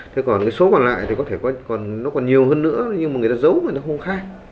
thế còn cái số còn lại thì có thể nó còn nhiều hơn nữa nhưng mà người ta giấu rồi nó không khai